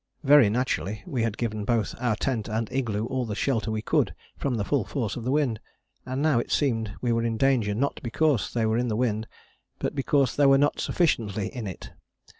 Very naturally we had given both our tent and igloo all the shelter we could from the full force of the wind, and now it seemed we were in danger not because they were in the wind, but because they were not sufficiently in it.